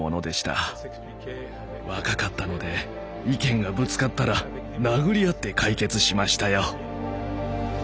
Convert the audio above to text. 若かったので意見がぶつかったら殴り合って解決しましたよ。